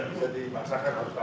kapan yang emas tidak pernah bisa